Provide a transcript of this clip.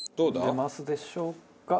出ますでしょうか？